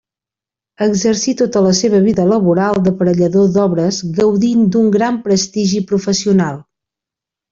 Exercí tota la seva vida laboral d'aparellador d'obres gaudint d'un gran prestigi professional.